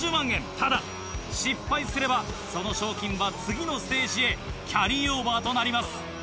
ただ失敗すればその賞金は次のステージへキャリーオーバーとなります。